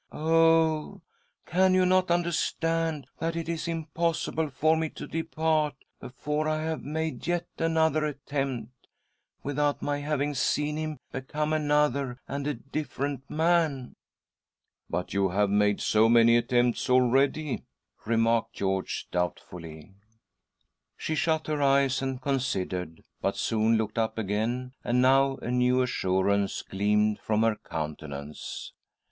Oh! can • you not understand that it is impossible for me to depart, before I have made yet another attempt, without my having seen him become another and a different man ?"■••'■■" But you have made so many attemptsalready," remarked Red George doubtfully. She shut . her eyes and considered, but soon looked up again, and now a new assurance gleamed from her countenance.